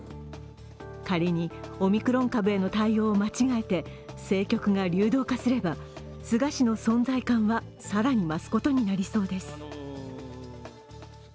仮にオミクロン株への対応を間違えて政局が流動化すれば菅氏の存在感は更に増すことになりそうです。